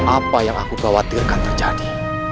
apa yang aku khawatirkan terjadi